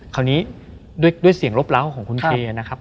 คราวนี้ด้วยเสียงลบเล้าของคุณเคนะครับ